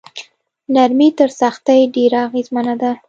نرمي تر سختۍ ډیره اغیزمنه ده.